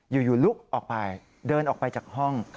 อยู่ลุกออกไปเดินออกไปจากห้อง